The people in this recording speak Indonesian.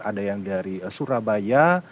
ada yang dari surabaya